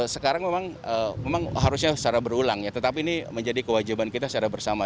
sekarang memang harusnya secara berulang ya tetapi ini menjadi kewajiban kita secara bersama